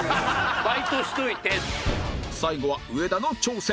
最後は上田の挑戦！